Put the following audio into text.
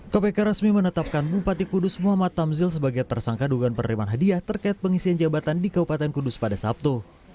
kpk resmi menetapkan bupati kudus muhammad tamzil sebagai tersangka dugaan penerimaan hadiah terkait pengisian jabatan di kabupaten kudus pada sabtu